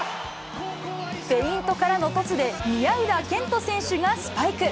フェイントからのパスで、宮浦健人選手がスパイク。